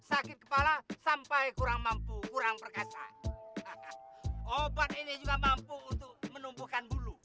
sakit kepala sampai kurang mampu kurang perkasa obat ini juga mampu untuk menumbuhkan bulu